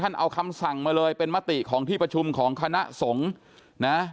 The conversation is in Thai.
เอาคำสั่งมาเลยเป็นมติของที่ประชุมของคณะสงฆ์นะ